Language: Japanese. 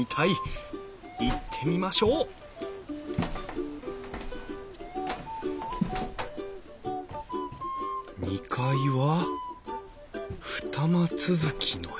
行ってみましょう２階は二間続きの部屋か。